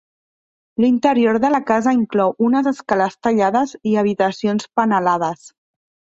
L'interior de la casa inclou unes escales tallades i habitacions panelades.